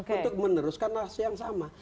untuk meneruskan narasi yang sama